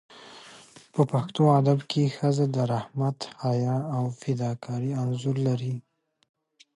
په پښتو ادب کې ښځه د رحمت، حیا او فداکارۍ انځور لري.